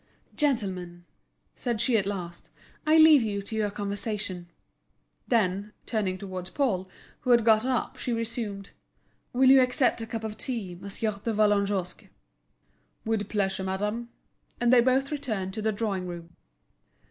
"Gentlemen," said she at last, "I leave you to your conversation." Then, turning towards Paul, who had got up, she resumed: "Will you accept of a cup of tea, Monsieur de Vallagnosc?" "With pleasure, madame," and they both returned to the drawing room.